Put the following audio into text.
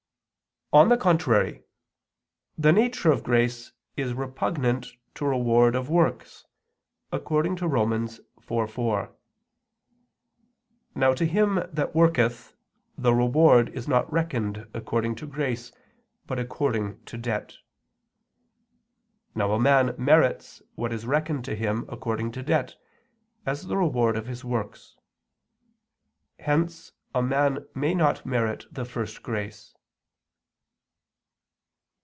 On the contrary, The nature of grace is repugnant to reward of works, according to Rom. 4:4: "Now to him that worketh, the reward is not reckoned according to grace but according to debt." Now a man merits what is reckoned to him according to debt, as the reward of his works. Hence a man may not merit the first grace.